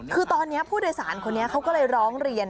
คือตอนนี้ผู้โดยสารคนนี้เขาก็เลยร้องเรียน